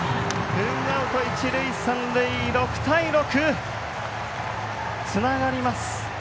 ツーアウト、一塁三塁６対６！つながります。